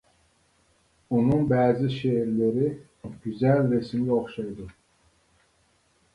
ئۇنىڭ بەزى شېئىرلىرى گۈزەل رەسىمگە ئوخشايدۇ.